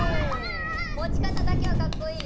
もちかただけはカッコいいよ。